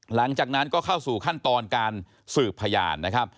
หลังจากนั้นก็เข้าสู่ขั้นตอนการสืบพยานนะครับ